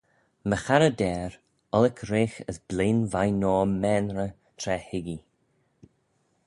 My charrey deyr, Ollick reagh as blein vie noa maynrey tra hig ee.